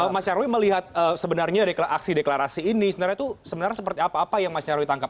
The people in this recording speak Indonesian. mas nyarwi melihat sebenarnya aksi deklarasi ini sebenarnya itu sebenarnya seperti apa apa yang mas nyarwi tangkap